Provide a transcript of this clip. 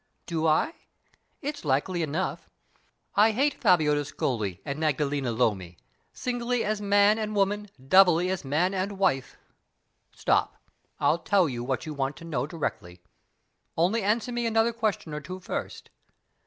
"Do I? It's likely enough. I hate Fabio d'Ascoli and Maddalena Lomi singly as man and woman, doubly as man and wife. Stop! I'll tell you what you want to know directly. Only answer me another question or two first.